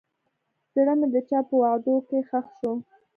زړه مې د چا په وعدو کې ښخ شو.